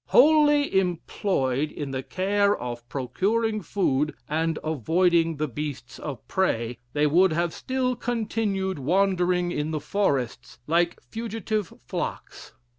Wholly employed in the care of procuring food, and avoiding the beasts of prey, they would have still continued wandering in the forests, like fugitive flocks.